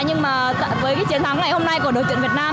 nhưng mà với cái chiến thắng ngày hôm nay của đội tuyển việt nam